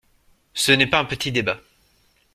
Ce n’est pas un petit débat.